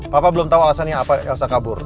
papa belum tahu alasannya apa elsa kabur